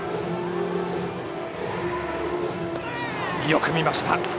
よく見ました。